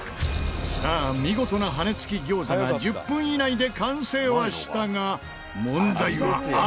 さあ見事な羽根付き餃子が１０分以内で完成はしたが問題は味。